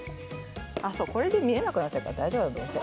これで見えなくなっちゃうから大丈夫だと思います。